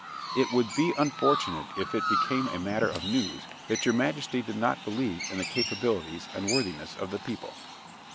It would be unfortunate if it became a matter of news that your majesty did not believe in the capabilities and worthiness of the people.